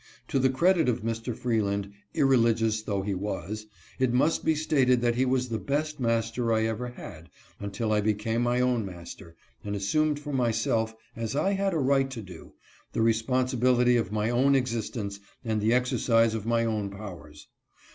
To the credit of Mr. Freeland, irreligious though he was, it must be stated that he was the best master I ever had until I became my own master and assumed for myself, as I had a right to do, the responsi bility of my own existence and the exercise of my own powers.